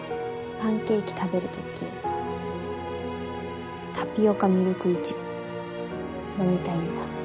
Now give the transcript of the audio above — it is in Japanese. パンケーキ食べる時タピオカミルクいちご飲みたいんだ。